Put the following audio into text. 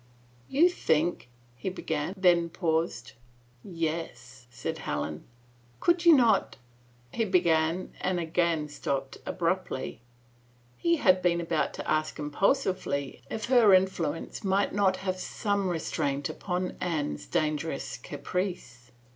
" You think —" he began, then paused. Yes," said Helen. G>uld you not —" he began and again stopped ab ruptly. He had been about to ask impulsively if her influence might not have some restraint upon Anne's dan gerous caprice.